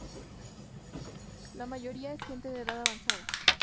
La mayoría es gente de edad avanzada.